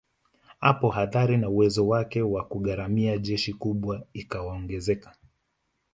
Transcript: Hapo athari na uwezo wake wa kugharamia jeshi kubwa ikaongezeka